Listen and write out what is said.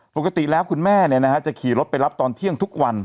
ปกติแล้วคุณแม่จะขี่รถไปรับตอนเที่ยงทุกวัน